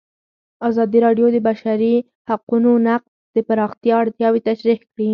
ازادي راډیو د د بشري حقونو نقض د پراختیا اړتیاوې تشریح کړي.